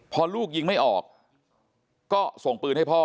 พอลูกยิงไม่ออกก็ส่งปืนให้พ่อ